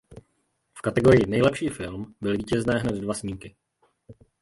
V kategorii "Nejlepší film" byly vítězné hned dva snímky.